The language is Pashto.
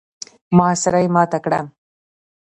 محاصره يې ماته کړه.